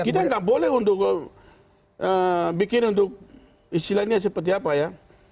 kita nggak boleh untuk bikin untuk istilahnya seperti apa ya